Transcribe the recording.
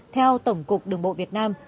theo tổng cục đồng bộ việt nam